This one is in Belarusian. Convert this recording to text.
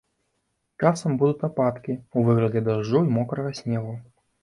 Часам будуць ападкі ў выглядзе дажджу і мокрага снегу.